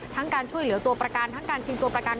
การช่วยเหลือตัวประกันทั้งการชิงตัวประกัน